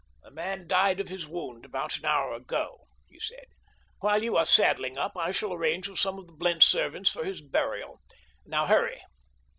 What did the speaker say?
"The man died of his wound about an hour ago," he said. "While you are saddling up I shall arrange with some of the Blentz servants for his burial—now hurry!"